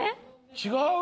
違う？